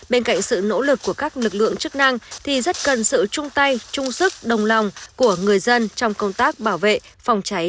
bên cạnh sự nỗ lực của các lực lượng chức năng thì rất cần sự chung tay chung sức đồng lòng của người dân trong công tác bảo vệ phòng cháy